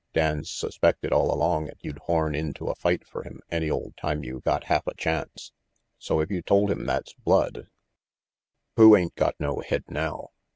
Dan's suspected all along 'at you'd horn into a fight fer him any ole time you got haffa chance, so if you told him that's blood "Who ain't got no head now?"